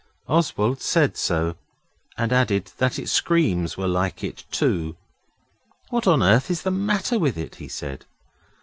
Oswald said so, and added that its screams were like it too. 'What on earth is the matter with it?' he said.